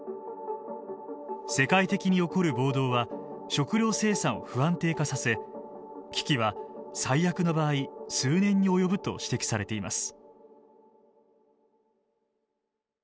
世界的に起こる暴動は食料生産を不安定化させ危機は最悪の場合数年に及ぶと指摘されています。